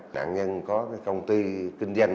nạn nhân có công ty kinh doanh